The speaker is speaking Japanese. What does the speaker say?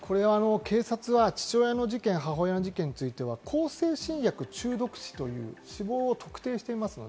警察は父親の事件、母親の事件については向精神薬中毒死という死亡を特定しています。